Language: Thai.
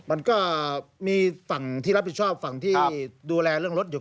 มันก็มีฝั่งที่รับผิดชอบฝั่งที่ดูแลเรื่องรถอยู่